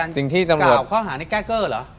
สิ่งที่กล่าวข้างหากนี้แก้เกอร์เหรอ